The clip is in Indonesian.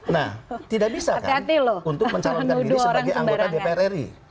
nah tidak bisa kan untuk mencalonkan diri sebagai anggota dpr ri